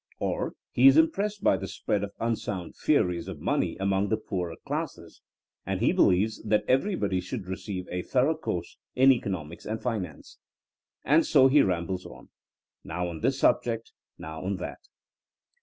Or he is impressed by the spread of unsound theories of money among the poorer classes, and he believes that everybody should receive a thorough course in economics and finance. And so he rambles on, now on this subject, now on that.